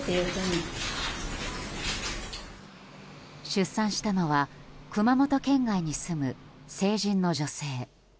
出産したのは熊本県外に住む成人の女性。